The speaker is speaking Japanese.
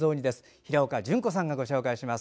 平岡淳子さんがご紹介します。